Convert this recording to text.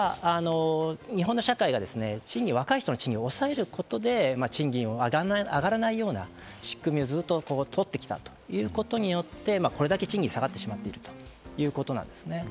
日本の社会が若い方の賃金を抑えることで賃金が上がらないような仕組みをずっと取ってきたということによって、これだけ賃金が下がってしまっているということなんですね。